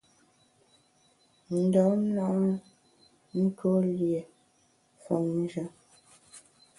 Ndam na ntuó lié femnjù.